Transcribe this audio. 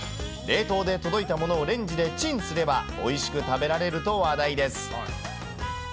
冷凍で届いたものをレンジでチンすれば、おいしく食べられると話題です。